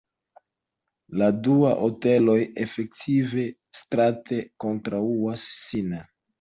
La du hoteloj efektive strate kontraŭas sin.